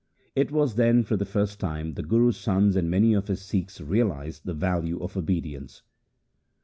It was then for the first time the Guru's sons and many of his Sikhs realized the value of obedience.